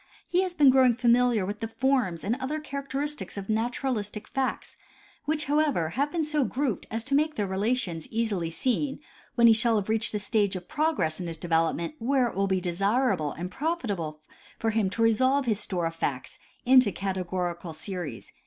He has been growing familiar with the forms and other character istics of naturalistic facts which, however, have been so grouped as to make their relations easily seen when he shall have reached the stage of progress in his development where it will be desira ble and profitable for him to resolve his store of facts into cate gorical series.